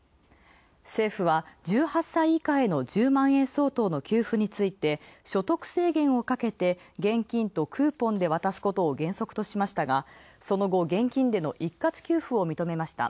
政府は１８歳以下への１０万円相当の給付について所得制限をかけて、現金とクーポンで渡すことを原則としましたが、その後、現金での一括給付をみとめました。